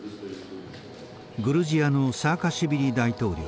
グルジアのサーカシビリ大統領